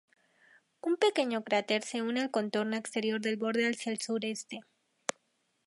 Un pequeño cráter se une al contorno exterior del borde hacia el sureste.